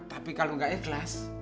tapi kalau gak ikhlas